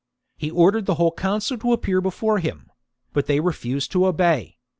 He ordered the whole council to appear before him ; but they refused to obey.